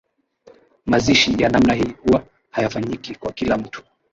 Mazishi ya namna hii huwa hayafanyiki kwa kila mtu